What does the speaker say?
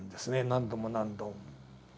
何度も何度も。